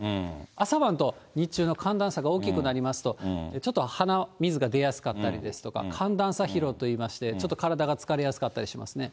朝晩と日中の寒暖差が大きくなりますと、ちょっと鼻水が出やすかったりですとか、寒暖差疲労といいまして、ちょっと体が疲れやすかったりしますね。